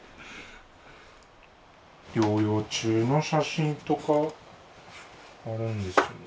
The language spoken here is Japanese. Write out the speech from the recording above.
療養中の写真とかあるんですよね。